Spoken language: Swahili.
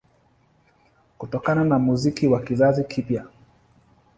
Kutokana na muziki wa kizazi kipya